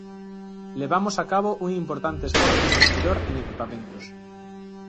Levamos a cabo un importante esforzo investidor en equipamentos.